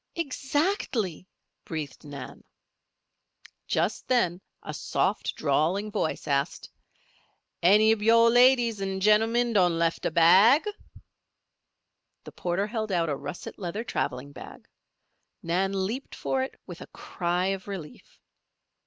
"Exactly," breathed Nan. Just then a soft, drawling voice asked: "Any ob yo' ladies an' gemmen done lef' a bag?" The porter held out a russet leather traveling bag. Nan leaped for it with a cry of relief.